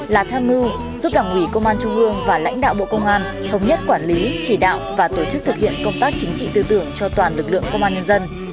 là tham mưu giúp đảng ủy công an trung ương và lãnh đạo bộ công an thống nhất quản lý chỉ đạo và tổ chức thực hiện công tác chính trị tư tưởng cho toàn lực lượng công an nhân dân